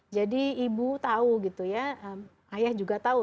jadi ibu tahu gitu ya ayah juga tahu